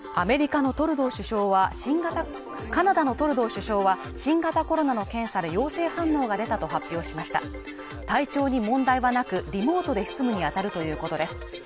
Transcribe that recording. カナダのトルドー首相は新型コロナの検査で陽性反応が出たと発表しました体調に問題はなくリモートで執務にあたるということです